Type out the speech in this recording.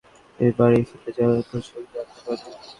রাজপুত্র প্রদীপ কুমার কমলাকে নিয়ে বাড়ি ফিরলে রাজা তার পরিচয় জানতে চায়।